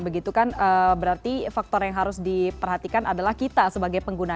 begitu kan berarti faktor yang harus diperhatikan adalah kita sebagai pengguna